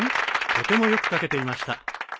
とてもよく書けていました。